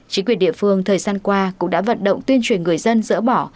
chính quyền địa phương thời gian qua cũng đã vận động tuyên truyền người dân dỡ bỏ